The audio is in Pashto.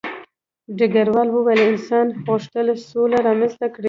ډګروال وویل انسان غوښتل سوله رامنځته کړي